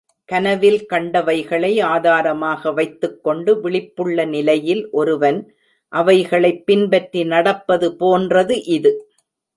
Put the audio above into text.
கனவில் கண்டவைகளை ஆதாரமாக வைத்துக் கொண்டு விழிப்புள்ள நிலையில் ஒருவன் அவைகளைப் பின்பற்றி நடப்பது போன்றது இது.